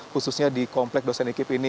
khususnya di komplek dosen ikib ini